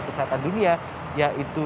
dki jakarta yang terdatang otm